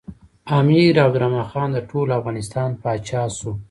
امیر عبدالرحمن خان د ټول افغانستان پاچا شو.